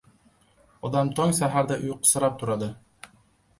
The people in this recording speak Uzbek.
Odam tong saharda uyqusirab turadi.